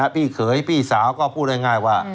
พี่เขยพี่สาวก็พูดง่ายว่า